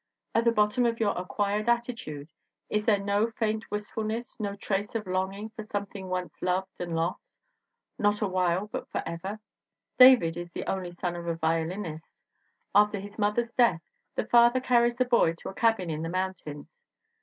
At the bottom of your acquired attitude is there no faint wist fulness, no trace of longing for something once loved and lost not awhile but forever? David is the only son of a violinist. After his mother's death the father carries the boy to a cabin in the mountains.